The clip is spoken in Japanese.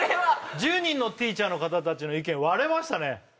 １０人のティーチャーの方たちの意見割れましたね